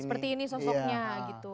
seperti ini sosoknya gitu